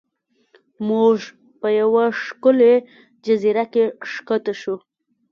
موږ په یوه ښکلې جزیره کې ښکته شو.